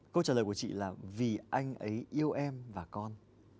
câu trả lời của chị là vì anh ấy yêu em và con